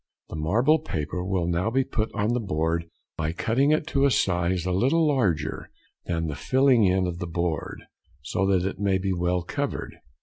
The marble paper may now be put on the board by cutting it to a size a little larger than the filling in of the board, so that it may be well covered.